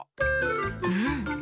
うん。